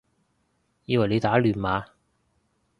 以為你打亂碼